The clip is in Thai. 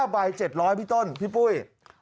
ใบ๗๐๐พี่ต้นพี่ปุ้ย